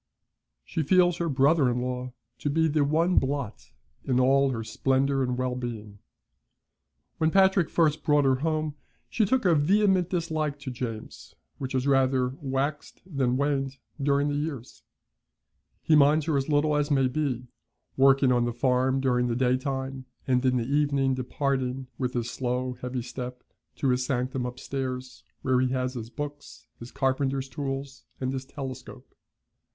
She feels her brother in law to be the one blot in all her splendour and well being. When Patrick first brought her home, she took a vehement dislike to James, which has rather waxed than waned during the years. He minds her as little as may be, working on the farm during the day time, and in the evening departing, with his slow, heavy step, to his sanctum upstairs, where he has his books, his carpenter's tools, and his telescope.